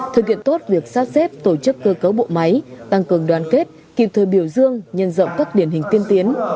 thực hiện tốt việc sắp xếp tổ chức cơ cấu bộ máy tăng cường đoàn kết kịp thời biểu dương nhân rộng các điển hình tiên tiến